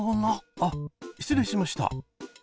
あっ失礼しました。